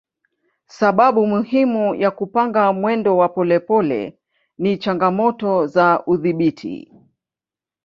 Sababu muhimu ya kupanga mwendo wa polepole ni changamoto za udhibiti.